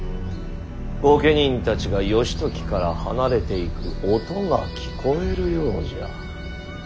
御家人たちが義時から離れていく音が聞こえるようじゃ。